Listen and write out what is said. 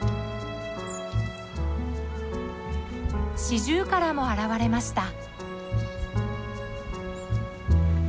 シジュウカラも現れました。